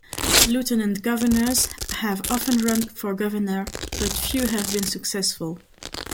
Lieutenant governors have often run for governor, but few have been successful.